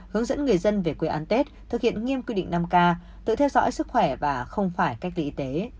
hướng dẫn người dân về quê an tết thực hiện nghiêm quy định năm k tự theo dõi sức khỏe và không phải cách ly y tế